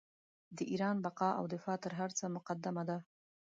د ایران بقا او دفاع تر هر څه مقدمه ده.